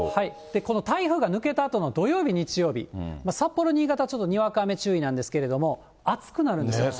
この台風が抜けたあとの土曜日、日曜日、札幌、新潟はちょっとにわか雨注意なんですけれども、暑くなるんですよ。